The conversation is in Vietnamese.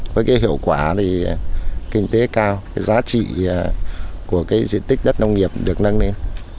với cái hiệu quả thì kinh tế cao cái giá trị của cái diện tích đất nông nghiệp được nâng lên